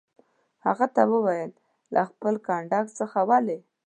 هغه ته وویل: له خپل کنډک څخه ولې.